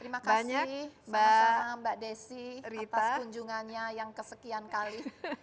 terima kasih sama sama mbak desy atas kunjungannya yang kesekian kali